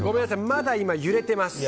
まだ揺れてます。